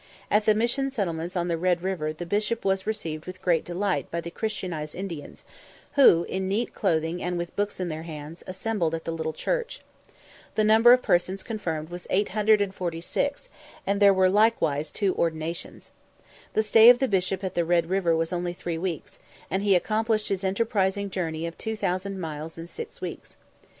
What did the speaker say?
At the Mission settlements on the Red River the Bishop was received with great delight by the Christianized Indians, who, in neat clothing and with books in their hands, assembled at the little church. The number of persons confirmed was 846, and there were likewise two ordinations. The stay of the Bishop at the Red River was only three weeks, and he accomplished his enterprising journey of two thousand miles in six weeks.